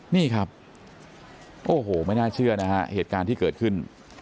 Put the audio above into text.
นี่ครับโอ้โหไม่น่าเชื่อนะฮะเหตุการณ์ที่เกิดขึ้น